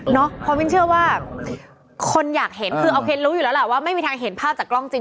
เพราะมินเชื่อว่าคนอยากเห็นคือเอาเคนรู้อยู่แล้วล่ะว่าไม่มีทางเห็นภาพจากกล้องจริง